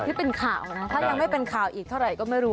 ที่เป็นข่าวนะถ้ายังไม่เป็นข่าวอีกเท่าไหร่ก็ไม่รู้